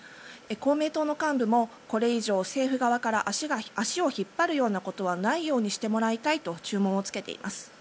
公明党幹部もこれ以上政府側から足が引っ張ることはないようにしてもらいたいと注文をつけています。